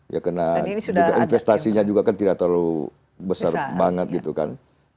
ya karena investasinya juga kan tidak terlalu besar banget gitu kan